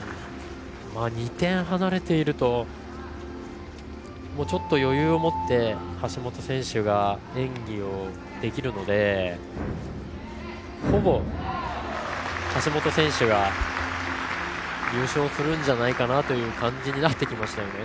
２点離れているとちょっと余裕を持って橋本選手が演技をできるのでほぼ橋本選手が優勝するんじゃないかなという感じになってきましたね。